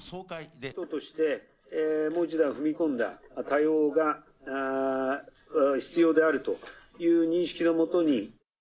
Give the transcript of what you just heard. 党として、もう一段踏み込んだ対応が必要であるという認識の下に。